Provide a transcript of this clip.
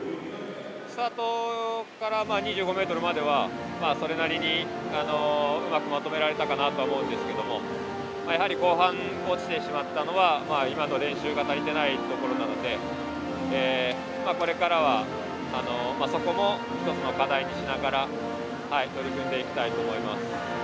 スタートから２５ｍまではそれなりにうまくまとめられたかなとは思うんですけどもやはり後半落ちてしまったのは今の練習が足りてないところなのでこれからはそこも一つの課題にしながら取り組んでいきたいと思います。